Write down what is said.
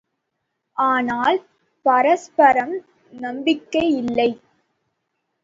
ஆனால், பரஸ்பரம் நம்பிக்கையில்லை.